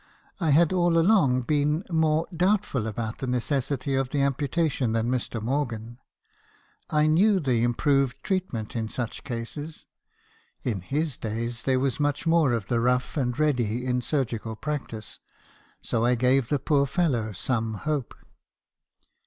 I had all along been more doubtful about the necessity of the amputa tion than Mr. Morgan. 1 knew the improved treatment in such cases. In his days there was much more of the rough and ready in surgical practice ; so I gave the poor fellow some hope.